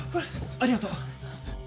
ありがとう！